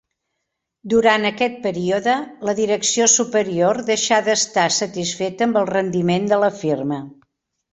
Durant aquest període, la direcció superior deixà d'estar satisfeta amb el rendiment de la firma.